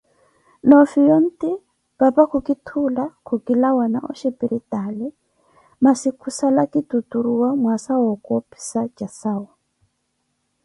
noofiya onti, paapa kukitthuula khukilawana oshiripitaali, masi kusala ki tuturuwa mwaasa wa okoopisa jasau.